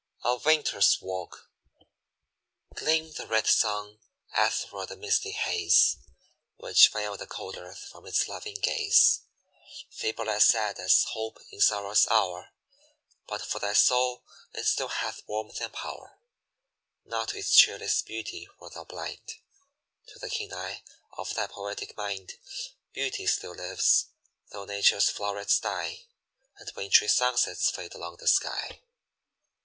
A WINTER'S WALK. Gleamed the red sun athwart the misty haze Which veiled the cold earth from its loving gaze, Feeble and sad as hope in sorrow's hour But for thy soul it still hath warmth and power; Not to its cheerless beauty wert thou blind; To the keen eye of thy poetic mind Beauty still lives, though nature's flowrets die, And wintry sunsets fade along the sky!